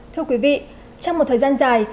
thưa quý vị trong một thời gian dài